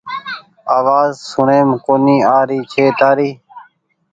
آواز سوڻيم ڪونيٚ آ رهي ڇي تآري